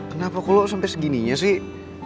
kenapa kok lo sampe segininya sih